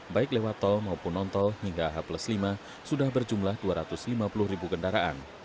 baik lewat tol maupun non tol hingga h lima sudah berjumlah dua ratus lima puluh ribu kendaraan